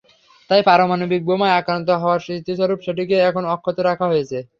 তাই পারমাণবিক বোমায় আক্রান্ত হওয়ার স্মৃতিস্বরূপ সেটিকে এখনো অক্ষত রাখা হয়েছে।